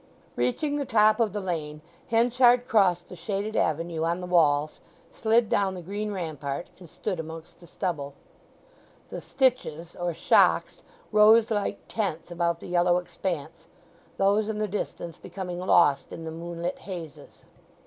Reaching the top of the lane Henchard crossed the shaded avenue on the walls, slid down the green rampart, and stood amongst the stubble. The "stitches" or shocks rose like tents about the yellow expanse, those in the distance becoming lost in the moonlit hazes.